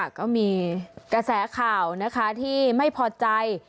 ก็มีกระแสข่าวนะคะที่ไม่พอใจ